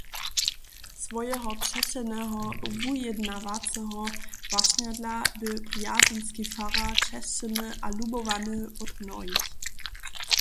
Swojeho přećelneho, wujednawaceho wašnja dla bě Brjazynski farar česćeny a lubowany wot mnohich.